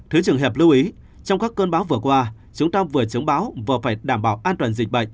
thứ trưởng hiệp lưu ý trong các cơn báo vừa qua chúng ta vừa chứng báo vừa phải đảm bảo an toàn dịch bệnh